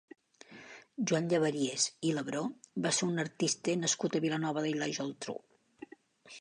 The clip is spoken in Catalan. Joan Llaverias i Labró va ser un artista nascut a Vilanova i la Geltrú.